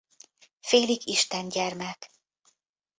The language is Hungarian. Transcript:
Félig Isten gyermek.